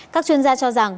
các chuyên gia cho rằng